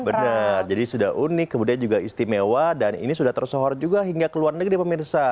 benar jadi sudah unik kemudian juga istimewa dan ini sudah tersohor juga hingga ke luar negeri pemirsa